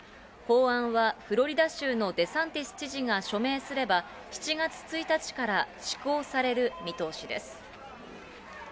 法案はフロリダ州のデサンテス知事が署名すれば、７月１日から施行される見通しです。